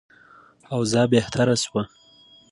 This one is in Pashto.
اوضاع بهتره شوه.